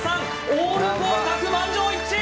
オール合格満場一致！